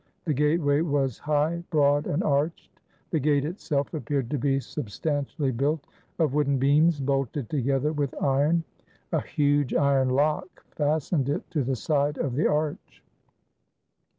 The gateway was high, broad, and arched. The gate, itself, appeared to be substantially built of wooden beams, bolted together with iron. A huge iron lock fastened it to the side of the arch.